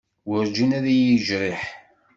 Werǧin ay iyi-yejriḥ.